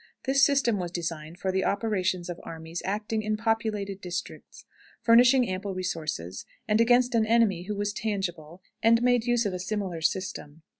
This system was designed for the operations of armies acting in populated districts, furnishing ample resources, and against an enemy who was tangible, and made use of a similar system.